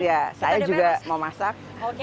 iya saya juga mau masak